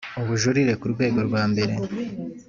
ubujurire ku rwego rwa mbere